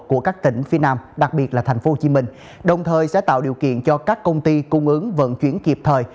của các tỉnh phía nam đồng thời sẽ tạo điều kiện cho các công ty cung ứng vận chuyển kịp thời